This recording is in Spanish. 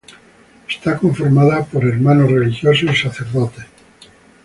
Está conformada por hermanos religiosos y sacerdotes.